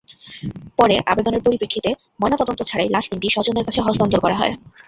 পরে আবেদনের পরিপ্রেক্ষিতে ময়নাতদন্ত ছাড়াই লাশ তিনটি স্বজনদের কাছে হস্তান্তর করা হয়।